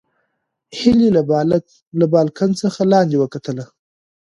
هیلې له بالکن څخه لاندې وکتل.